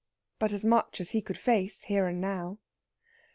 But of as much as he could face here and now.